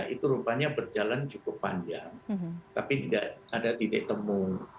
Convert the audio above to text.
itu rupanya berjalan cukup panjang tapi tidak ada titik temu